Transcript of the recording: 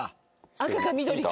赤か緑か。